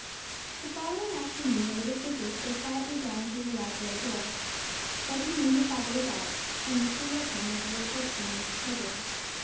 The following afternoon a little figure stole quietly down to the library door. Betty knew her father was out, and Mr. Roper never repulsed any of the children.